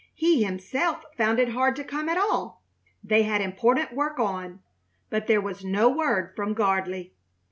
He himself found it hard to come at all. They had important work on. But there was no word from Gardley.